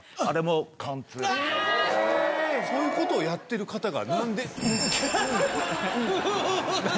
そういうことをやってる方が。